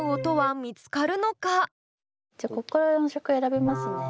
じゃあここから音色選びますね。